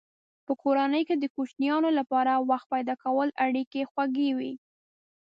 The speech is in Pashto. په کورنۍ کې د کوچنیانو لپاره وخت پیدا کول اړیکې خوږوي.